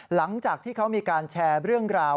หลังจากที่เขามีการแชร์เรื่องราว